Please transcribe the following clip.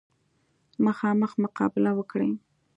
مخامخ مقابله وکړي.